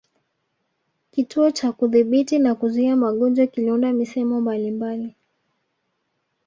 Kituo cha Kudhibiti na Kuzuia magonjwa kiliunda misemo mbalimbali